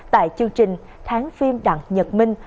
tại chương trình tháng phim đặng nhật minh